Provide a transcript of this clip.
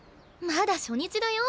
まだ初日だよ？